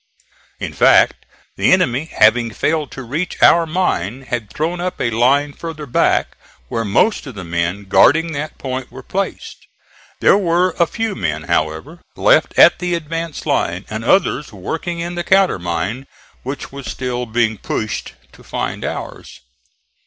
In fact, the enemy having failed to reach our mine had thrown up a line farther back, where most of the men guarding that point were placed. There were a few men, however, left at the advance line, and others working in the countermine, which was still being pushed to find ours.